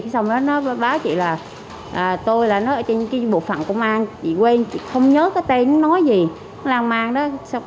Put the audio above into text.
xong rồi nó báo chị là tôi là ở trên cái bộ phận công an chị quên không nhớ cái tên nó gì nó lan man đó